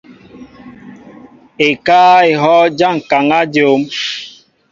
Ekáá ehɔʼ ja ŋkaŋa dyom.